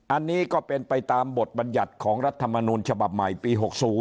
อันนี้ก็เป็นไปตามบทบัญญัติของรัฐมนูลฉบับใหม่ปี๖๐